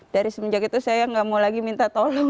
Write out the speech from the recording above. dari semenjak itu saya nggak mau lagi minta tolong